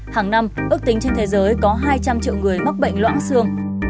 hàng năm ước tính trên thế giới có hai trăm linh triệu người mắc bệnh loãng xương